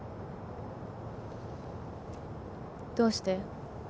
どうして？